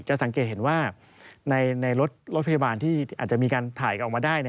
สังเกตเห็นว่าในรถพยาบาลที่อาจจะมีการถ่ายกันออกมาได้